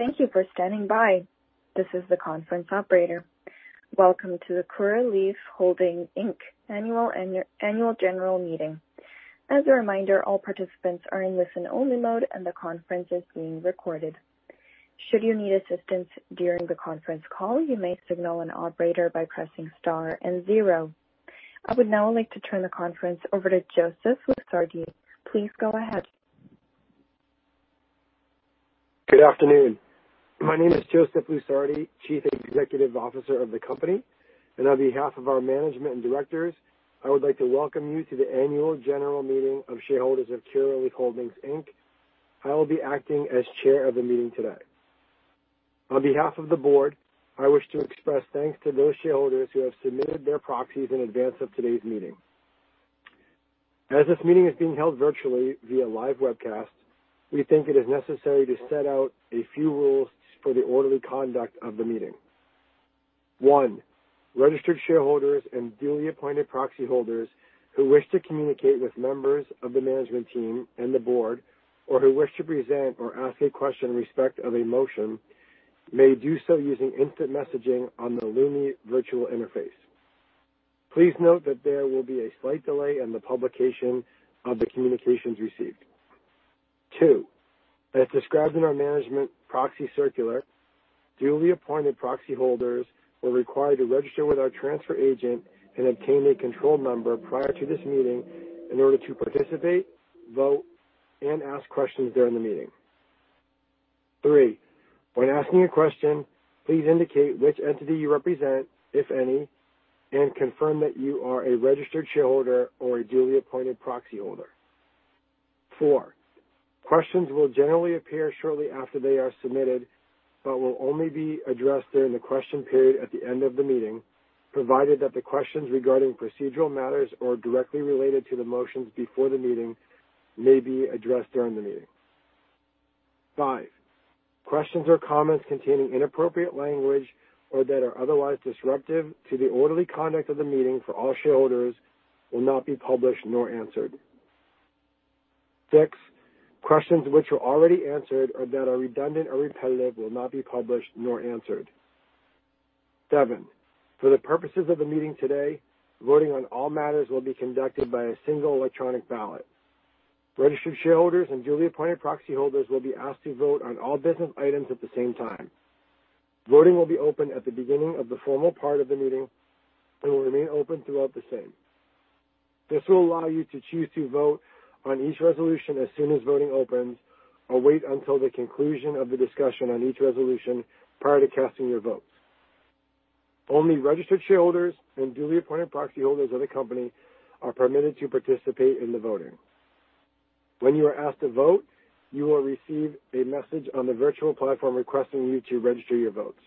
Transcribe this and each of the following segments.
Thank you for standing by. This is the conference operator. Welcome to the Curaleaf Holdings, Inc. annual general meeting. As a reminder, all participants are in listen-only mode, and the conference is being recorded. Should you need assistance during the conference call, you may signal an operator by pressing star and zero. I would now like to turn the conference over to Joseph Lusardi. Please go ahead. Good afternoon. My name is Joseph Lusardi, Chief Executive Officer of the company, and on behalf of our management and directors, I would like to welcome you to the annual general meeting of shareholders of Curaleaf Holdings Inc. I will be acting as chair of the meeting today. On behalf of the board, I wish to express thanks to those shareholders who have submitted their proxies in advance of today's meeting. As this meeting is being held virtually via live webcast, we think it is necessary to set out a few rules for the orderly conduct of the meeting. One, registered shareholders and duly appointed proxy holders who wish to communicate with members of the management team and the board, or who wish to present or ask a question in respect of a motion, may do so using instant messaging on the Lumi virtual interface. Please note that there will be a slight delay in the publication of the communications received. Two, as described in our Management Proxy Circular, duly appointed proxy holders were required to register with our transfer agent and obtain a control number prior to this meeting in order to participate, vote, and ask questions during the meeting. Three, when asking a question, please indicate which entity you represent, if any, and confirm that you are a registered shareholder or a duly appointed proxy holder. Four, questions will generally appear shortly after they are submitted but will only be addressed during the question period at the end of the meeting, provided that the questions regarding procedural matters or directly related to the motions before the meeting may be addressed during the meeting. Five, questions or comments containing inappropriate language or that are otherwise disruptive to the orderly conduct of the meeting for all shareholders will not be published nor answered. Six, questions which are already answered or that are redundant or repetitive will not be published nor answered. Seven, for the purposes of the meeting today, voting on all matters will be conducted by a single electronic ballot. Registered shareholders and duly appointed proxy holders will be asked to vote on all business items at the same time. Voting will be open at the beginning of the formal part of the meeting and will remain open throughout the same. This will allow you to choose to vote on each resolution as soon as voting opens or wait until the conclusion of the discussion on each resolution prior to casting your vote. Only registered shareholders and duly appointed proxy holders of the company are permitted to participate in the voting. When you are asked to vote, you will receive a message on the virtual platform requesting you to register your votes.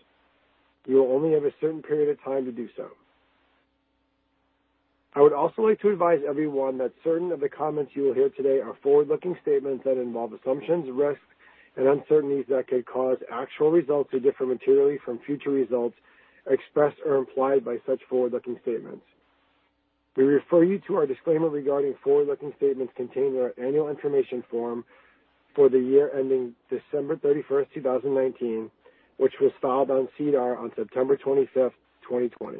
You will only have a certain period of time to do so. I would also like to advise everyone that certain of the comments you will hear today are forward-looking statements that involve assumptions, risks, and uncertainties that could cause actual results to differ materially from future results expressed or implied by such forward-looking statements. We refer you to our disclaimer regarding forward-looking statements contained in our annual information form for the year ending December 31st, 2019, which was filed on SEDAR on September 25th, 2020.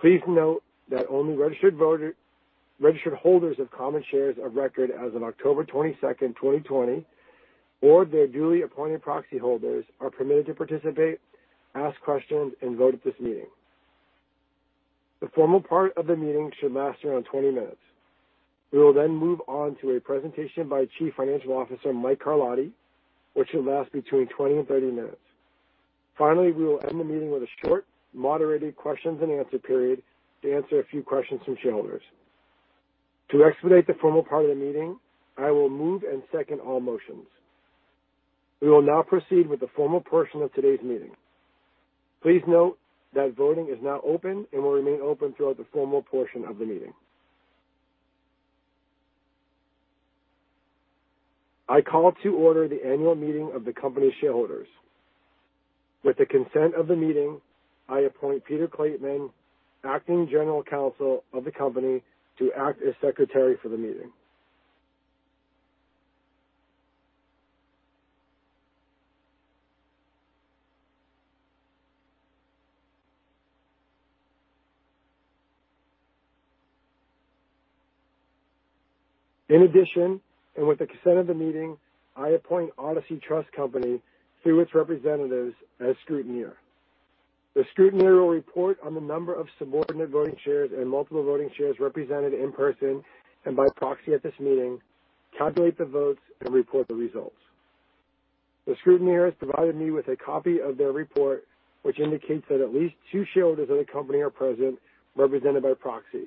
Please note that only registered holders of common shares of record as of October 22nd, 2020, or their duly appointed proxy holders are permitted to participate, ask questions, and vote at this meeting. The formal part of the meeting should last around 20 minutes. We will then move on to a presentation by Chief Financial Officer Mike Carlotti, which should last between 20 and 30 minutes. Finally, we will end the meeting with a short, moderated questions and answer period to answer a few questions from shareholders. To expedite the formal part of the meeting, I will move and second all motions. We will now proceed with the formal portion of today's meeting. Please note that voting is now open and will remain open throughout the formal portion of the meeting. I call to order the annual meeting of the company's shareholders. With the consent of the meeting, I appoint Peter Clateman, Acting General Counsel of the company, to act as secretary for the meeting. In addition, and with the consent of the meeting, I appoint Odyssey Trust Company through its representatives as scrutineer. The scrutineer will report on the number of subordinate voting shares and multiple voting shares represented in person and by proxy at this meeting, calculate the votes, and report the results. The scrutineer has provided me with a copy of their report, which indicates that at least two shareholders of the company are present, represented by proxy.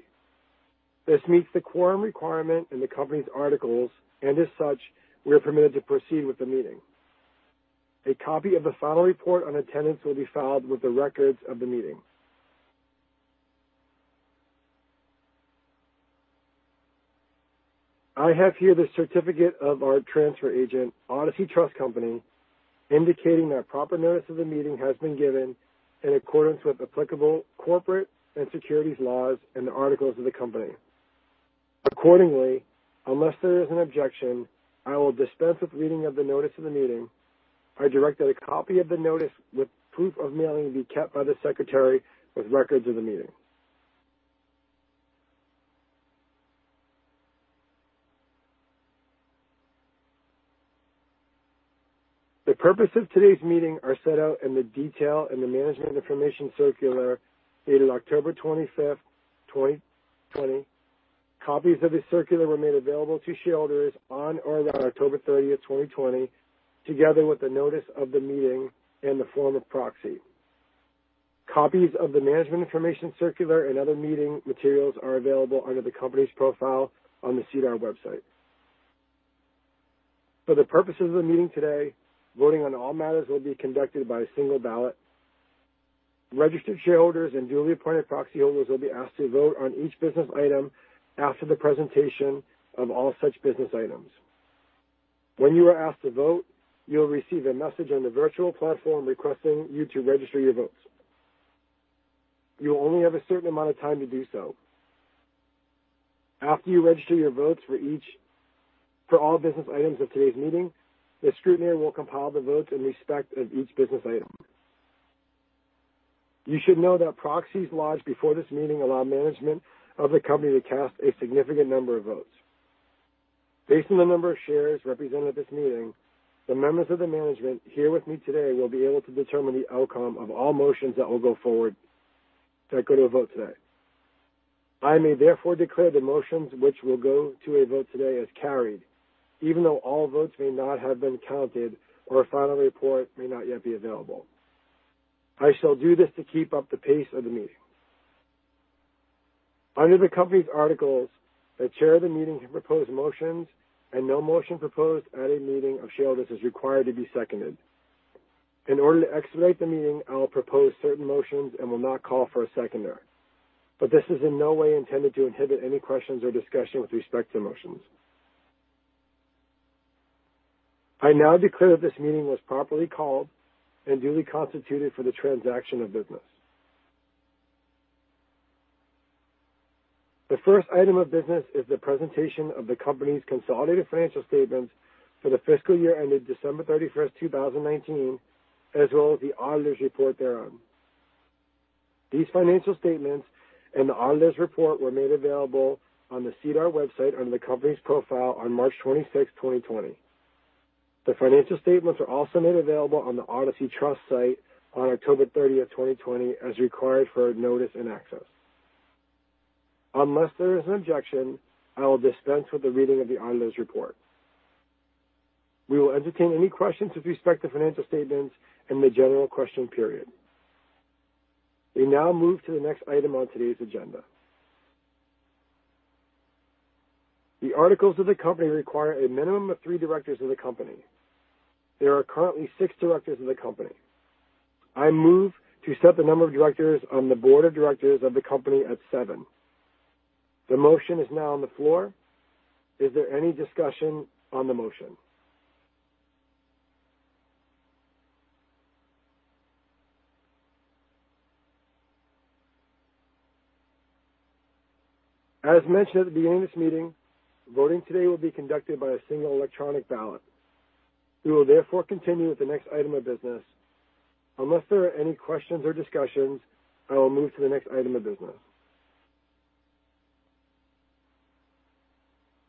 This meets the quorum requirement in the company's articles, and as such, we are permitted to proceed with the meeting. A copy of the final report on attendance will be filed with the records of the meeting. I have here the certificate of our transfer agent, Odyssey Trust Company, indicating that proper notice of the meeting has been given in accordance with applicable corporate and securities laws and the articles of the company. Accordingly, unless there is an objection, I will dispense with reading of the notice of the meeting. I direct that a copy of the notice with proof of mailing be kept by the secretary with records of the meeting. The purpose of today's meeting is set out in the detail in the management information circular dated October 25th, 2020. Copies of the circular were made available to shareholders on or around October 30th, 2020, together with the notice of the meeting and the form of proxy. Copies of the management information circular and other meeting materials are available under the company's profile on the SEDAR website. For the purposes of the meeting today, voting on all matters will be conducted by a single ballot. Registered shareholders and duly appointed proxy holders will be asked to vote on each business item after the presentation of all such business items. When you are asked to vote, you'll receive a message on the virtual platform requesting you to register your votes. You will only have a certain amount of time to do so. After you register your votes for all business items of today's meeting, the scrutineer will compile the votes in respect of each business item. You should know that proxies lodged before this meeting allow management of the company to cast a significant number of votes. Based on the number of shares represented at this meeting, the members of the management here with me today will be able to determine the outcome of all motions that will go forward that go to a vote today. I may therefore declare the motions which will go to a vote today as carried, even though all votes may not have been counted or a final report may not yet be available. I shall do this to keep up the pace of the meeting. Under the company's articles, the chair of the meeting can propose motions, and no motion proposed at a meeting of shareholders is required to be seconded. In order to expedite the meeting, I will propose certain motions and will not call for a seconder. But this is in no way intended to inhibit any questions or discussion with respect to motions. I now declare that this meeting was properly called and duly constituted for the transaction of business. The first item of business is the presentation of the company's consolidated financial statements for the fiscal year ended December 31st, 2019, as well as the auditor's report thereof. These financial statements and the auditor's report were made available on the SEDAR website under the company's profile on March 26th, 2020. The financial statements are also made available on the Odyssey Trust site on October 30th, 2020, as required for notice and access. Unless there is an objection, I will dispense with the reading of the auditor's report. We will entertain any questions with respect to financial statements in the general question period. We now move to the next item on today's agenda. The articles of the company require a minimum of three directors of the company. There are currently six directors of the company. I move to set the number of directors on the board of directors of the company at seven. The motion is now on the floor. Is there any discussion on the motion? As mentioned at the beginning of this meeting, voting today will be conducted by a single electronic ballot. We will therefore continue with the next item of business. Unless there are any questions or discussions, I will move to the next item of business.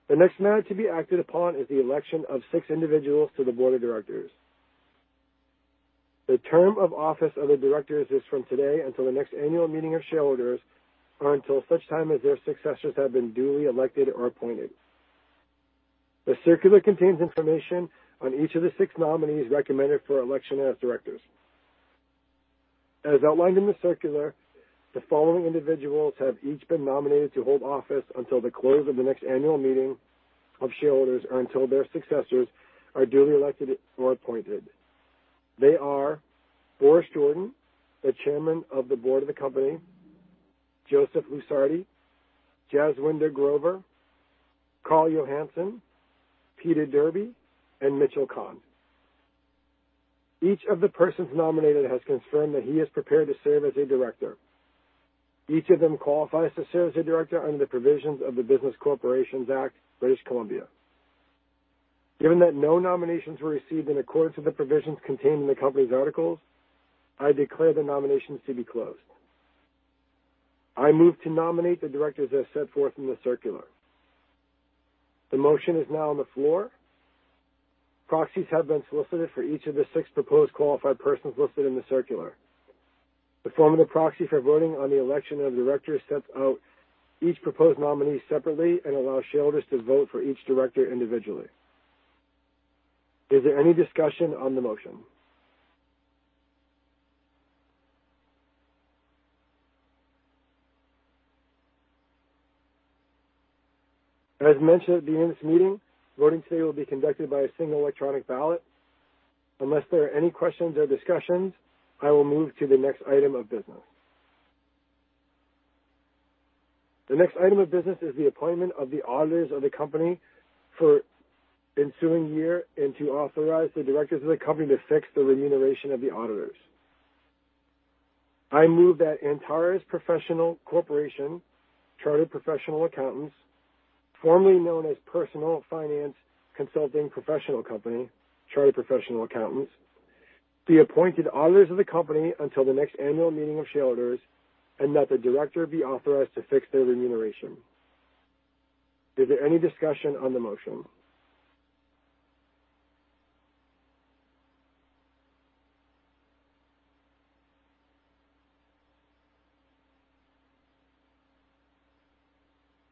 The next matter to be acted upon is the election of six individuals to the board of directors. The term of office of the directors is from today until the next annual meeting of shareholders or until such time as their successors have been duly elected or appointed. The circular contains information on each of the six nominees recommended for election as directors. As outlined in the circular, the following individuals have each been nominated to hold office until the close of the next annual meeting of shareholders or until their successors are duly elected or appointed. They are Boris Jordan, the chairman of the board of the company. Joseph Lusardi, Jaswinder Grover, Karl Johansson, Peter Derby, and Mitchell Kahn. Each of the persons nominated has confirmed that he is prepared to serve as a director. Each of them qualifies to serve as a director under the provisions of the Business Corporations Act, British Columbia. Given that no nominations were received in accordance with the provisions contained in the company's articles, I declare the nominations to be closed. I move to nominate the directors as set forth in the circular. The motion is now on the floor. Proxies have been solicited for each of the six proposed qualified persons listed in the circular. The form of the proxy for voting on the election of directors sets out each proposed nominee separately and allows shareholders to vote for each director individually. Is there any discussion on the motion? As mentioned at the beginning of this meeting, voting today will be conducted by a single electronic ballot. Unless there are any questions or discussions, I will move to the next item of business. The next item of business is the appointment of the auditors of the company for the ensuing year and to authorize the directors of the company to fix the remuneration of the auditors. I move that Antares Professional Corporation, Chartered Professional Accountants, formerly known as Personal Finance Consulting Professional Company, Chartered Professional Accountants, be appointed auditors of the company until the next annual meeting of shareholders and that the director be authorized to fix their remuneration. Is there any discussion on the motion?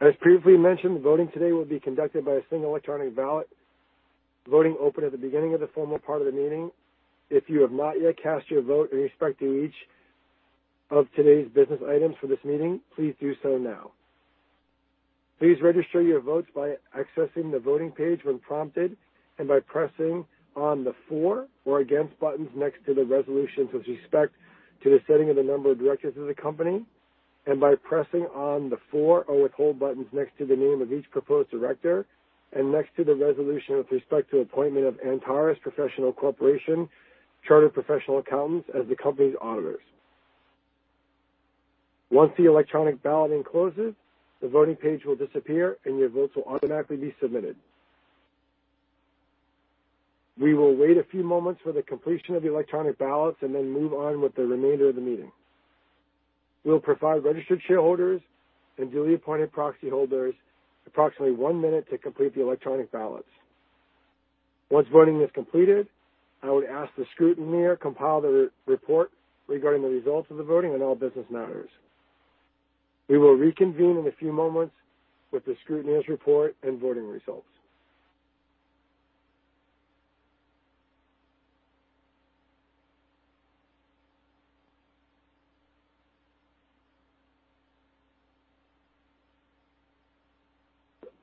As previously mentioned, voting today will be conducted by a single electronic ballot. Voting opened at the beginning of the formal part of the meeting. If you have not yet cast your vote in respect to each of today's business items for this meeting, please do so now. Please register your votes by accessing the voting page when prompted and by pressing on the for or against buttons next to the resolutions with respect to the setting of the number of directors of the company and by pressing on the for or withhold buttons next to the name of each proposed director and next to the resolution with respect to appointment of Antares Professional Corporation, Chartered Professional Accountants as the company's auditors. Once the electronic balloting closes, the voting page will disappear and your votes will automatically be submitted. We will wait a few moments for the completion of the electronic ballots and then move on with the remainder of the meeting. We'll provide registered shareholders and duly appointed proxy holders approximately one minute to complete the electronic ballots. Once voting is completed, I would ask the scrutineer to compile the report regarding the results of the voting on all business matters. We will reconvene in a few moments with the scrutineer's report and voting results.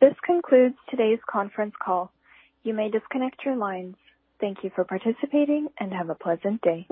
This concludes today's conference call. You may disconnect your lines. Thank you for participating and have a pleasant day.